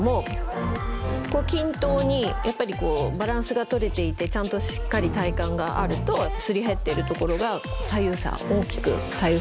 均等にやっぱりバランスがとれていてちゃんとしっかり体幹があるとすり減ってるところが左右差大きく左右差がなく。